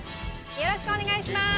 よろしくお願いします。